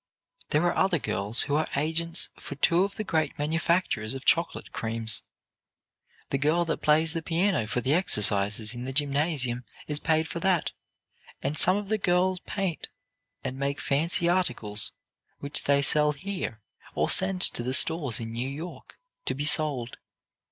"There are other girls who are agents for two of the great manufacturers of chocolate creams. "The girl that plays the piano for the exercises in the gymnasium is paid for that, and some of the girls paint and make fancy articles, which they sell here, or send to the stores in New York, to be sold.